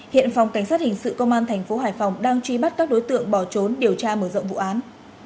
hiện phòng cảnh sát hình sự công an thành phố hải phòng đang truy bắt các đối tượng bỏ trốn điều tra mở rộng vụ án